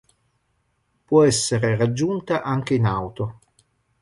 Può essere raggiunta anche in auto.